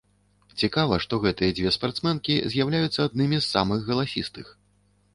Цікава, што гэтыя дзве спартсменкі з'яўляюцца аднымі з самых галасістых.